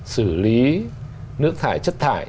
sử lý nước thải chất thải